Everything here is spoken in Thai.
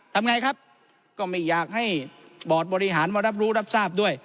ทำไงครับก็ไม่อยากให้บอร์ดบริหารมารับรู้รับทราบด้วย